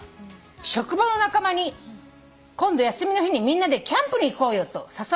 職場の仲間に今度休みの日にみんなでキャンプに行こうよと誘われました」